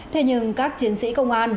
thế nhưng các chiến sĩ công an